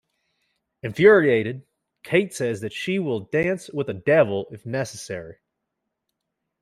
Infuriated, Kate says that she will dance with a devil if necessary.